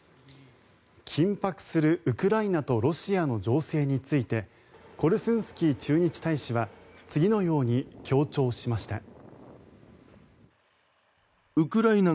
緊迫するウクライナとロシアの情勢についてコルスンスキー駐日大使は次のように強調しました。